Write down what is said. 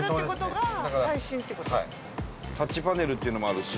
タッチパネルっていうのもあるし。